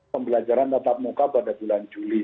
pembelajaran tetap muka pada bulan juli